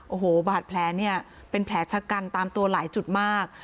โอ้โหบาดแผลเนี่ยเป็นแผลชะกันตามตัวหลายจุดมาก